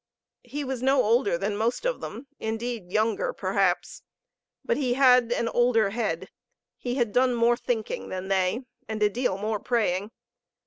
He was no older than most of them; indeed, younger perhaps. But he had an older head. He had done more thinking than they, and a deal more praying.